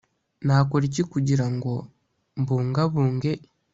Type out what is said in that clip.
nakora iki kugira ngo mbungabunge